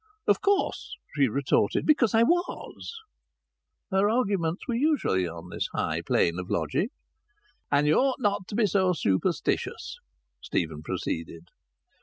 "Of course," she retorted, "because I was." Her arguments were usually on this high plane of logic. "And you ought not to be so superstitious," Stephen proceeded.